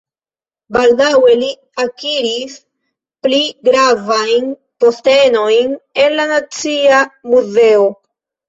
Baldaŭe li akiris pli gravajn postenojn en la Nacia Muzeo.